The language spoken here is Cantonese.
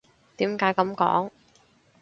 點解噉講？